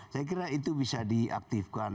saya kira itu bisa diaktifkan